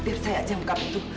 biar saya aja yang buka pintu